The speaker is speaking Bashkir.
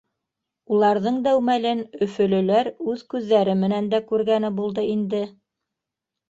Уларҙың дәүмәлен өфөлөләр үҙ күҙҙәре менән дә күргәне булды инде.